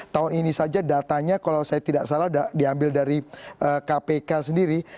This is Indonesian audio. tahun ini saja datanya kalau saya tidak salah diambil dari kpk sendiri